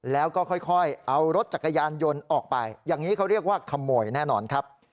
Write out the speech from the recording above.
แล้วก็ค่อยเอารถจักรยานยนต์ออกไปอย่างนี้เขาเรียกว่าขโมยแน่นอนครับ